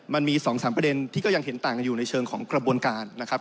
มันมี๒๓ประเด็นที่ก็ยังเห็นต่างกันอยู่ในเชิงของกระบวนการนะครับ